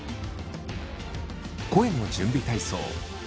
声の準備体操。